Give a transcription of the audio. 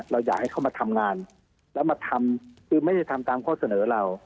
เราอยากให้เขามาทำงานแล้วมาทำคือไม่ได้ทำตามข้อเสนอเรา